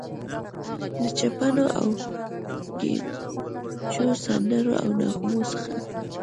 له چپنو او ګوبیچو، سندرو او نغمو څخه.